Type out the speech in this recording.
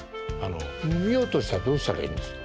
見ようとしたらどうしたらいいんですか？